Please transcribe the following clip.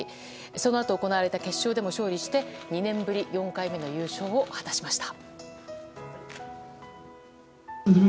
その後行われた決勝でも勝利して２年ぶり４回目の優勝を果たしました。